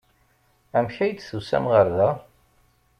Amek ay d-tusam ɣer da?